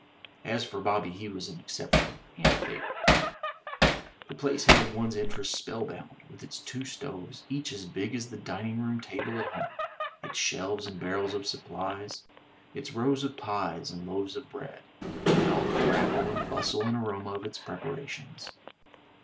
As for Bobby, he was an exception, and a favorite. The place held one's interest spell bound, with its two stoves, each as big as the dining room table at home, its shelves and barrels of supplies, its rows of pies and loaves of bread, and all the crackle and bustle and aroma of its preparations.